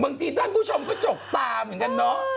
บางทีท่านผู้ชมก็จกตามเหมือนกันน่ะ